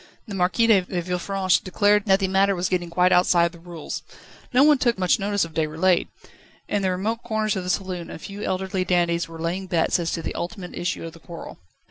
The Marquis de Villefranche declared that the matter was getting quite outside the rules. No one took much notice of Déroulède. In the remote corners of the saloon a few elderly dandies were laying bets as to the ultimate issue of the quarrel.